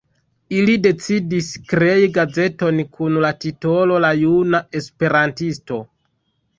Ili decidis krei gazeton kun la titolo La juna esperantisto.